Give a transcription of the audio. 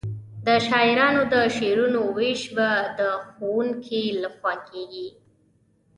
د شاعرانو د شعرونو وېش به د ښوونکي له خوا کیږي.